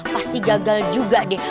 pasti gagal juga deh